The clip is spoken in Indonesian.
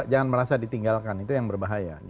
jangan merasa ditinggalkan itu yang berbahaya